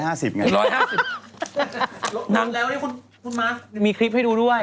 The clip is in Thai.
น้ำแล้วเนี่ยคุณม้ามีคลิปให้ดูด้วย